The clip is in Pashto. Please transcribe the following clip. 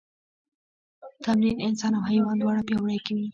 تمرین انسان او حیوان دواړه پیاوړي کوي.